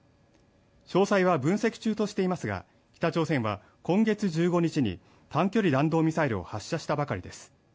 詳細は分析中としていますが、北朝鮮は今月１５日に短距離弾道ミサイルを発射したばかりです。